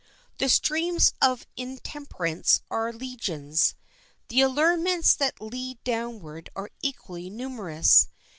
The streams of intemperance are legions. The allurements that lead downward are equally numerous.